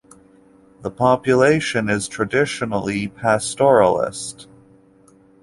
The population is traditionally pastoralist.